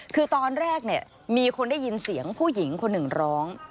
คือตอนแรกเนี่ยมีคนได้ยินเสียงผู้หญิงคนหนึ่งร้อง